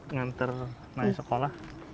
ngantar nailah sekolah